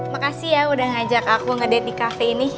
makasih ya udah ngajak aku ngede di cafe ini